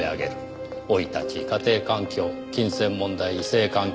生い立ち家庭環境金銭問題異性関係。